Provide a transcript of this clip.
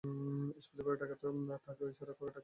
স্পষ্ট করে ডাকা দূরে থাক, ইশারা করে ডাকলে ছুটে যেতাম।